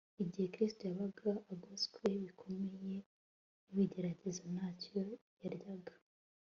igihe kristo yabaga agoswe bikomeye n'ibigeragezo, ntacyo yaryaga